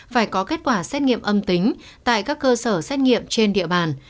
phải có kết quả xét nghiệm âm tính tại các cơ sở xét nghiệm trên địa bàn